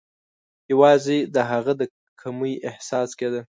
یوازي د هغه د کمۍ احساس کېده.